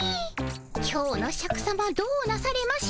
今日のシャクさまどうなされました？